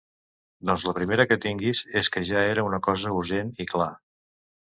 Doncs la primera que tinguis, és que ja era una cosa urgent i clar.